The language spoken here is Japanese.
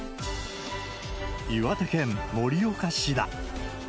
岩手県盛岡市だ。